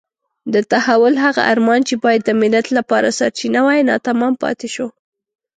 د تحول هغه ارمان چې باید د ملت لپاره سرچینه وای ناتمام پاتې شو.